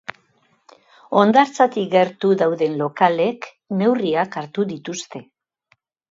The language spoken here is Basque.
Hondartzatik gertu dauden lokalek neurriak hartu dituzte.